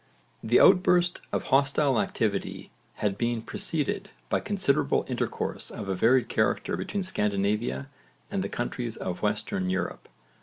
This outburst of hostile activity had been preceded by considerable intercourse of a varied character between Scandinavia and the countries of Western Europe.